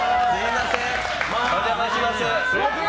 お邪魔します。